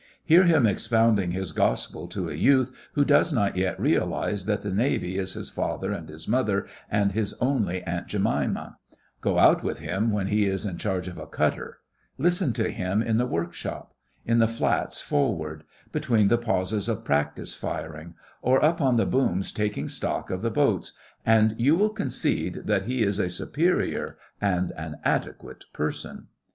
Hear him expounding his gospel to a youth who does not yet realise that the Navy is his father and his mother and his only Aunt Jemima; go out with him when he is in charge of a cutter; listen to him in the workshop; in the flats forward; between the pauses of practice firing, or up on the booms taking stock of the boats, and you will concede that he is a superior and an adequate person.